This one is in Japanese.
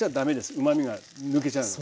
うまみが抜けちゃうので。